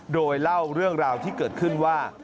โดยเล่าเรื่องราวที่เกิดขึ้นว่า